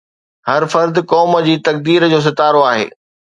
”هر فرد قوم جي تقدير جو ستارو آهي“